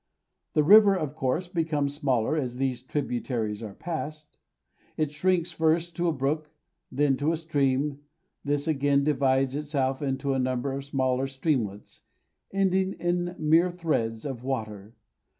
The river, of course, becomes smaller as these tributaries are passed. It shrinks first to a brook, then to a stream; this again divides itself into a number of smaller streamlets, ending in mere threads of water.